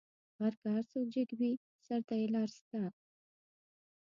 غر که هر څو جګ وي؛ سر ته یې لار سته.